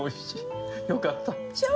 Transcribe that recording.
よかった。